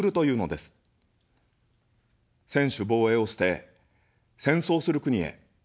専守防衛を捨て、戦争する国へ。